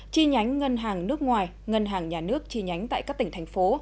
chi nhánh ngân hàng nước ngoài ngân hàng nhà nước chi nhánh tại các tỉnh thành phố